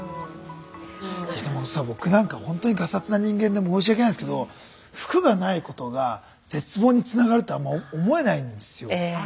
僕なんかほんとにがさつな人間で申し訳ないんですけど服がないことが絶望につながるってあんま思えないんですよ。